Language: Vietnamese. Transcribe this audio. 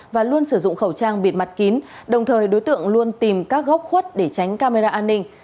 và luôn sử dụng khẩu trang bịt mặt kín đồng thời đối tượng luôn tìm các góc khuất để tránh camera an ninh